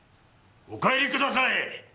お帰りください！